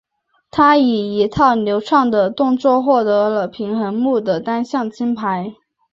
她以一套流畅的动作获得了平衡木的单项金牌。